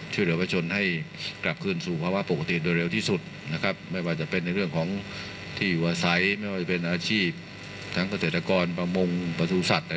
ทรงมีลายพระราชกระแสรับสั่งให้รัฐบาลเร่งช่วยเหลือประชาชนให้กลับสู่ภาคใต้